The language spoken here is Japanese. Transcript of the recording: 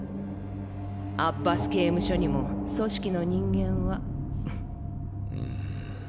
アッバス刑務所にも組織の人間は。。